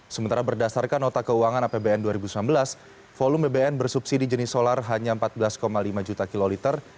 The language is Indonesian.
sementara berdasarkan nota keuangan apbn dua ribu sembilan belas volume bbm bersubsidi jenis solar hanya empat belas lima juta kiloliter